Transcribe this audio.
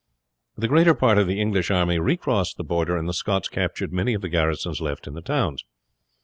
The greater part of the English army recrossed the Border, and the Scots captured many of the garrisons left in the towns.